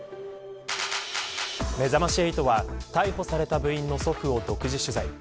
めざまし８は逮捕された部員の祖父を独自取材。